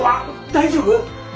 大丈夫？